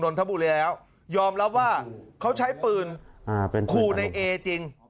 นนทบูริแล้วยอมรับว่าเขาใช้บื่นเป็นคู่นายเอจริง